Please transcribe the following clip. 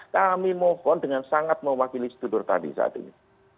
kami mohon dengan sangat mewakili sedulur tani saat ini